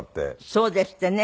そうですってね。